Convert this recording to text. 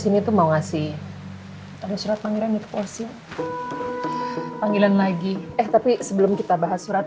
sini tuh mau ngasih ada surat panggilan itu porsi panggilan lagi eh tapi sebelum kita bahas surat